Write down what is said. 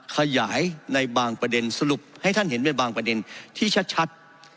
ขยายในบางประเด็นสรุปให้ท่านเห็นไปบางประเด็นที่ชัด